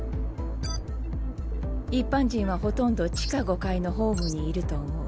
一般人はほとんど地下５階のホームにいると思う。